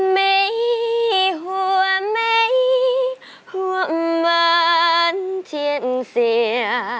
เมย์หัวเมย์หัวมันเทียดเสีย